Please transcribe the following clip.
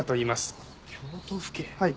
はい。